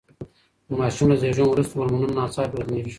د ماشوم له زېږون وروسته هورمونونه ناڅاپي بدلیږي.